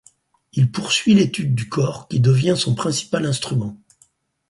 Il poursuit l'étude du cor qui devient son principal instrument.